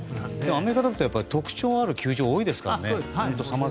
アメリカだと特徴のある球場も多いですからね。